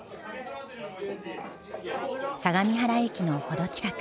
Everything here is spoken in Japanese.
相模原駅の程近く。